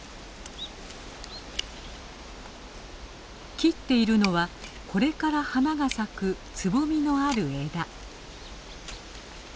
切っているのはこれから花が咲くつぼみのある枝。